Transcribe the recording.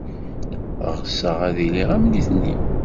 Ɣseɣ ad iliɣ am nitni.